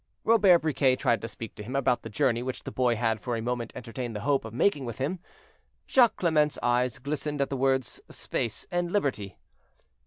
Robert Briquet tried to speak to him about the journey which the boy had for a moment entertained the hope of making with him. Jacques Clement's eyes glistened at the words space and liberty.